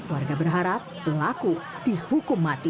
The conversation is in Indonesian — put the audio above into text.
warga berharap pelaku dihukum mati